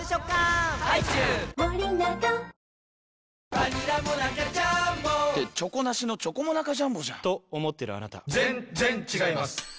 バニラモナカジャーンボって「チョコなしのチョコモナカジャンボ」じゃんと思ってるあなた．．．ぜんっぜんっ違います